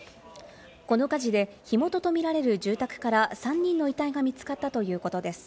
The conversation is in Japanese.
この火事で火元とみられる住宅から３人の遺体が見つかったということです。